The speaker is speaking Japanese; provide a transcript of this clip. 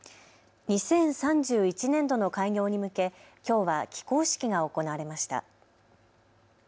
２０３１年度の開業に向けきょうは起工式が行われました。